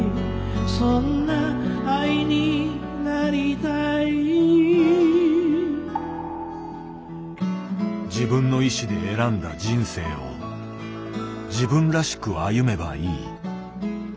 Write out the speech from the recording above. そんな愛になりたい自分の意思で選んだ人生を自分らしく歩めばいい。